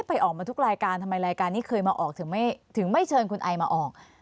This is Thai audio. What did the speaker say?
ไปออกมาทุกรายการทำไมรายการนี้เคยมาออกถึงไม่เชิญคุณไอมาออก